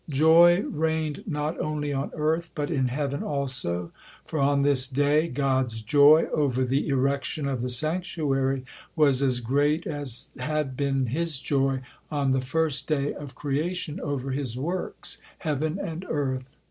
Joy reigned not only on earth, but in heaven also, for on this day God's joy over the erection of the sanctuary was as great as had been His joy on the first day of creation over His works, heaven and earth.